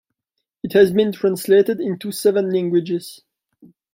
It has been translated into seven languages.